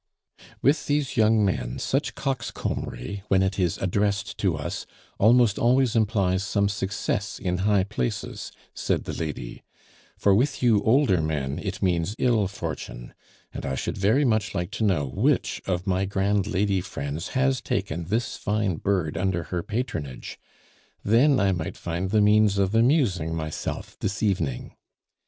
"With these young men such coxcombry, when it is addressed to us, almost always implies some success in high places," said the lady; "for with you older men it means ill fortune. And I should very much like to know which of my grand lady friends has taken this fine bird under her patronage; then I might find the means of amusing myself this evening.